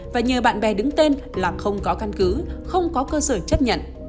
và nhờ bạn bè đứng tên là không có căn cứ không có cơ sở chấp nhận